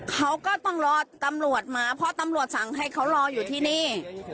เขาก็ต้องรอตำรวจมาเพราะตำรวจสั่งให้เขารออยู่ที่นี่